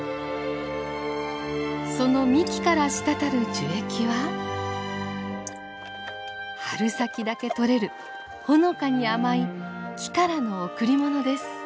その幹から滴る樹液は春先だけ取れるほのかに甘い木からの贈り物です。